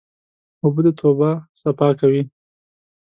اوبه د توبه صفا کوي.